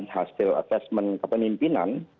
hasil asesmen kepemimpinan